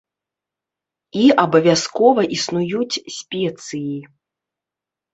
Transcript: І абавязкова існуюць спецыі.